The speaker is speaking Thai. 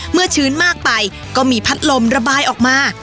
ชื้นมากไปก็มีพัดลมระบายออกมา